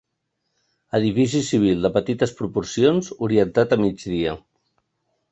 Edifici civil de petites proporcions orientat a migdia.